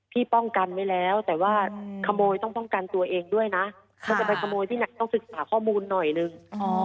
ป้องกันไว้แล้วแต่ว่าขโมยต้องป้องกันตัวเองด้วยนะถ้าจะไปขโมยพี่หนักต้องศึกษาข้อมูลหน่อยนึง